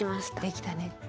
できたね。